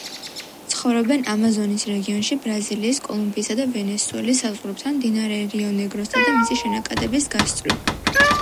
ცხოვრობენ ამაზონის რეგიონში, ბრაზილიის, კოლუმბიისა და ვენესუელის საზღვრებთან, მდინარე რიო-ნეგროსა და მისი შენაკადების გასწვრივ.